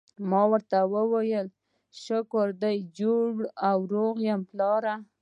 ما ورته وویل: شکر دی جوړ او روغ یم، پلاره.